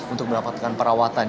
untuk mendapatkan perawatan